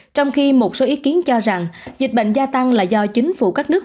trong khi một số ý kiến cho rằng dịch bệnh gia tăng là do chính phủ các nước